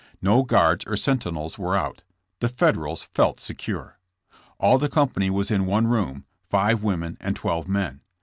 No guards or sentinels were out. The Federals felt secure. All the company was in one room, five women and twelve men.